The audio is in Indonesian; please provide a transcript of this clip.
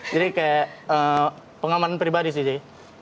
jadi kayak pengamanan pribadi sih jay